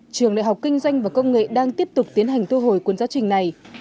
trường đại học kinh doanh và công nghệ đang tiếp tục tiến hành thu hồi cuốn giáo trình này